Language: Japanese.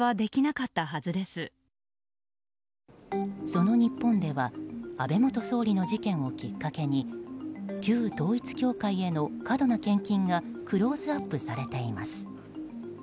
その日本では安倍元総理の事件をきっかけに旧統一教会への過度な献金がクローズアップされています。